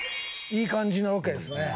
いい感じのロケですね。